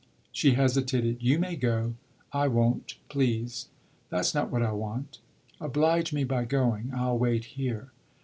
She hesitated. "You may go; I won't, please." "That's not what I want." "Oblige me by going. I'll wait here."